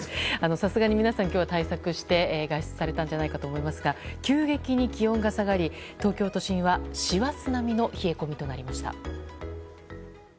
さすがに皆さん今日は対策して外出されたんじゃないかと思いますが急激に気温が下がり東京都心は師走並みの冷え込みとなりました。